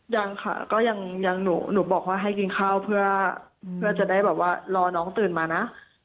ยังค่ะก็ยังหนูบอกว่าให้กินข้าวเพื่อจะได้แบบว่ารอน้องตื่นมานะ